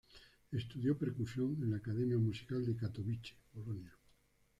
Estudió percusión en la academia musical de Katowice, Polonia.